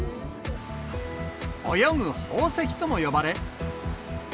泳ぐ宝石とも呼ばれ。